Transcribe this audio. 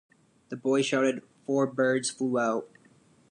The boy shouted; four birds flew out.